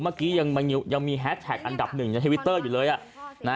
เมื่อกี้มันยังมีแฮสแท็กอันดับ๑ในเทวิตเตอร์อยู่เลยอ่ะ